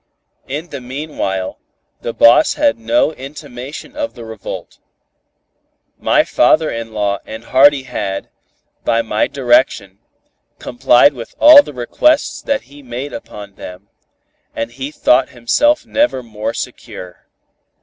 In the meanwhile, the boss had no intimation of the revolt. My father in law and Hardy had, by my direction, complied with all the requests that he made upon them, and he thought himself never more secure.